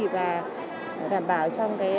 và đảm bảo trong